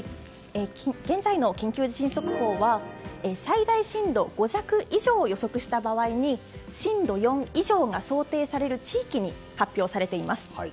現在の緊急地震速報は最大震度５弱以上を予測した場合に震度４以上が想定される地域に発表されています。